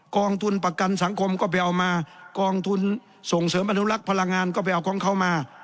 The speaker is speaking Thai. กองทุนประกันสังคมก็ไปเอามากองทุนส่งเสริมอนุรักษ์พลังงานก็ไปเอาของเขามา